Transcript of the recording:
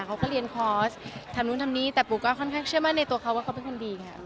เขาก็เรียนคอร์สทำนู่นทำนี่แต่ปูก็ค่อนข้างเชื่อมั่นในตัวเขาว่าเขาเป็นคนดีไง